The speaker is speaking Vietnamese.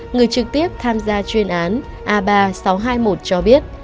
người trực tiếp tham gia chuyên án a ba nghìn sáu trăm hai mươi một cho biết